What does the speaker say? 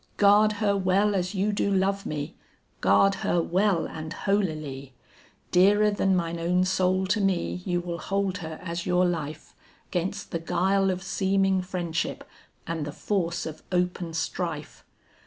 Guard her well as you do love me; guard her well and holily. Dearer than mine own soul to me, you will hold her as your life, 'Gainst the guile of seeming friendship and the force of open strife."